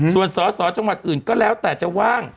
ส่วนสอสอจังหวัดอื่นก็แล้วแต่จะว่าง